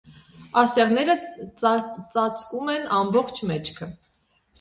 Ասեղները ծածկում են ամբողջ մեջքը։